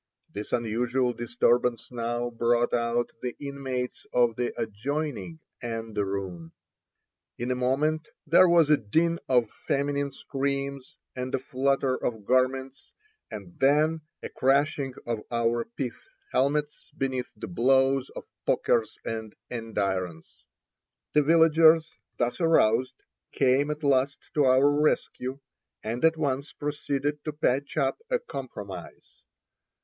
This unusual disturbance now brought out the inmates of the adjoining anderoon. In a moment there was a din of feminine screams, and a flutter of garments, and then — a crashing of our pith helmets beneath the blows of pokers and andirons. The villagers, thus aroused, came at last to our rescue, and at once proceeded to patch up a compromise.